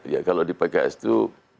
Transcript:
ya kalau di pks itu